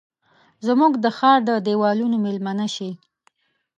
زموږ د ښارد دیوالونو میلمنه شي